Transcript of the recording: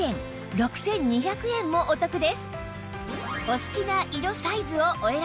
６２００円もお得です